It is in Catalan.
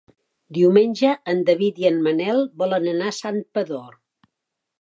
Diumenge en David i en Manel volen anar a Santpedor.